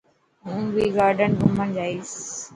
هون ڀهي گارڊن گھمڻ جائيس.